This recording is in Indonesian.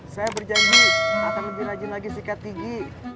saya berjanji akan lebih rajin lagi sikat tinggi